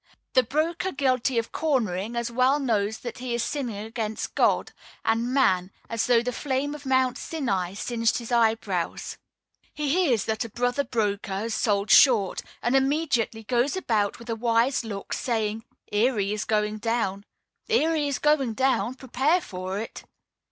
The broker guilty of "cornering" as well knows that he is sinning against God and man, as though the flame of Mount Sinai singed his eyebrows. He hears that a brother broker has sold "short," and immediately goes about with a wise look, saying: "Erie is going down Erie is going down; prepare for it."